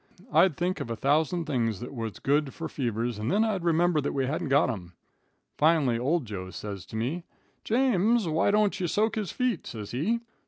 I'd think of a thousand things that was good fur fevers, and then I'd remember that we hadn't got 'em. Finally old Joe says to me, 'James, why don't ye soak his feet?' says he.